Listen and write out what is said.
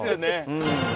うん。